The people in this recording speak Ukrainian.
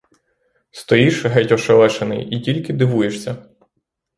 Стоїш, геть ошелешений, і тільки дивуєшся.